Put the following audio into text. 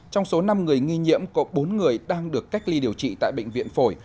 trong số năm người nghi nhiễm có bốn người đang được cách ly điều trị tại bệnh viện phổi